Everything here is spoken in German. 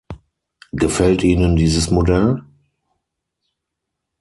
Gefällt Ihnen dieses Modell?